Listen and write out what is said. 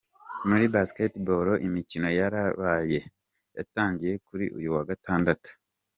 Muri Basketball imikino yarabaye yatangiye kuri uyu wa Gatandatu.